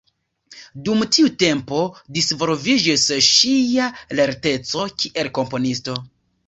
Dum tiu tempo disvolviĝis ŝia lerteco kiel komponisto.